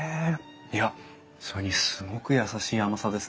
いやそれにすごく優しい甘さですね。